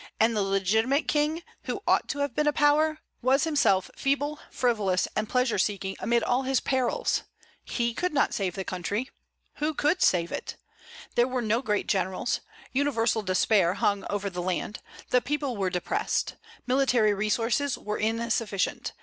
And the legitimate king, who ought to have been a power, was himself feeble, frivolous, and pleasure seeking amid all his perils. He could not save the country. Who could save it? There were no great generals. Universal despair hung over the land. The people were depressed. Military resources were insufficient.